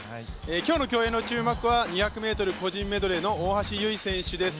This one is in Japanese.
今日の競泳の注目は２００ｍ個人メドレーの大橋悠依選手です。